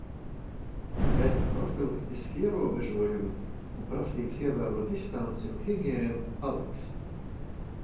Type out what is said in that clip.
Bet profilaktiski ierobežojumi un prasības ievērot distanci un higiēnu paliks.